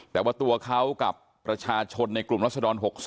แต่ว่าตัวเขากับประชาชนในกลุ่มรัศดร๖๒